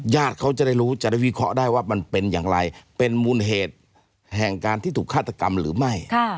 ญาติเขาจะได้รู้จะได้วิเคราะห์ได้ว่ามันเป็นอย่างไรเป็นมูลเหตุแห่งการที่ถูกฆาตกรรมหรือไม่